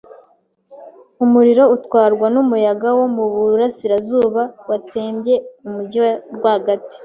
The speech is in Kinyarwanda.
Umuriro utwarwa n'umuyaga wo mu burasirazuba, watsembye umujyi rwagati.